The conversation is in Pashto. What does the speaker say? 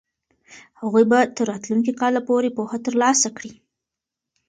هغوی به تر راتلونکي کاله پورې پوهه ترلاسه کړي.